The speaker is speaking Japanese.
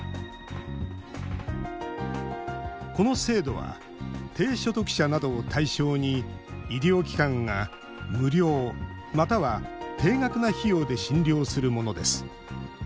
この制度は低所得者などを対象に医療機関が無料または低額な費用で診療するものです。